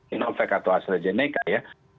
inovac atau astrazeneca ya